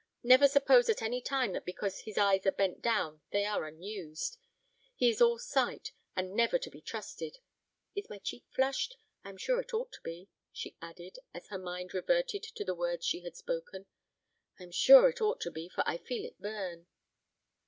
Never suppose at any time that because his eyes are bent down they are unused. He is all sight, and never to be trusted. Is my cheek flushed? I am sure it ought to be," she added, as her mind reverted to the words she had spoken: "I am sure it ought to be, for I feel it burn."